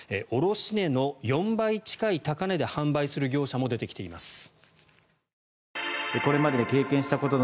卸値の４倍近い高値で販売する業者も出てきています。